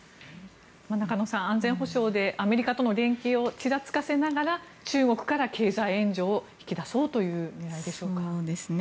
中野さん、安全保障でアメリカとの連携をちらつかせながら中国から経済援助を引き出そうという狙いでしょうか。